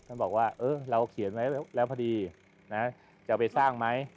ท่านบอกว่าเออเราเขียนไว้แล้วพอดีนะจะไปสร้างไหม